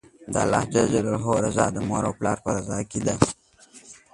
د الله تعالی رضا، د مور او پلار په رضا کی ده